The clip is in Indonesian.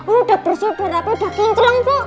udah bersih berapa udah kincelang bu